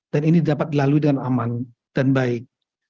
dan ini dapat dilalui dengan aman dan baik